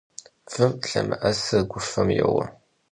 Vım lhemı'esır gufem youe.